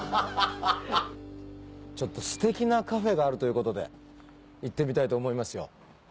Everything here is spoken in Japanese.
ちょっとステキなカフェがあるということで行ってみたいと思いますよ。